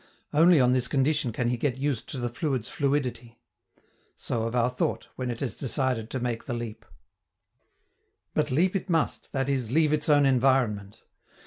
Only on this condition can he get used to the fluid's fluidity. So of our thought, when it has decided to make the leap. But leap it must, that is, leave its own environment.